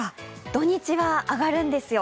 土日は上がるんですよ。